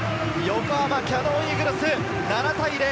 横浜キヤノンイーグルス７対０。